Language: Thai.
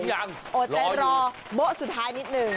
โอ๊ยใจรอเบอะสุดท้ายนิดนึง